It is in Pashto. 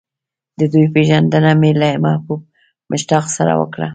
د دوی پېژندنه مې له محبوب مشتاق سره وکړه.